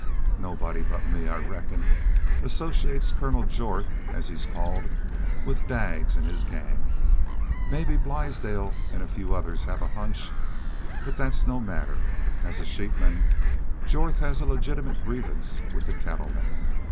Nobody but me, I reckon, associates Colonel Jorth, as he's called, with Daggs an' his gang. Maybe Blaisdell an' a few others have a hunch. But that's no matter. As a sheepman Jorth has a legitimate grievance with the cattlemen.